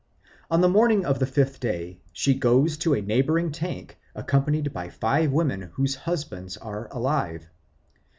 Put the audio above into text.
On the morning of the fifth day she goes to a neighbouring tank, accompanied by five women whose husbands are alive.